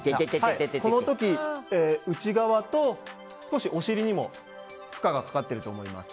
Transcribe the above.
この時、内側と、少しお尻にも負荷がかかってると思います。